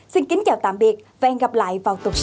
xin kính chào tạm biệt và hẹn gặp lại vào tuần sau